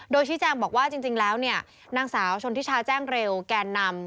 โดยชี้แจงบอกว่าจริงแล้วเนี่ยนางสาวชนทิชาแจ้งเร็วแกนนำ